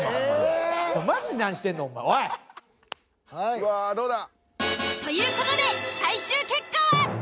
うわどうだ？という事で最終結果は？